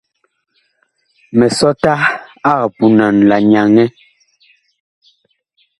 Misɔta ag punan la nyaŋɛ.